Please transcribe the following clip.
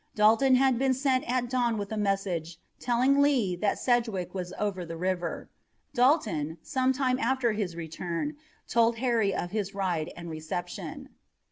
Dalton had been sent at dawn with a message telling Lee that Sedgwick was over the river. Dalton, some time after his return, told Harry of his ride and reception.